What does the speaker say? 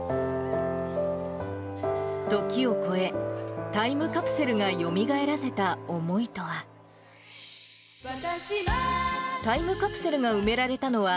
時を超え、タイムカプセルがよみがえらせた思いとは。